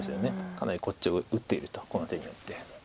かなりこっちを打っているとこの手によって。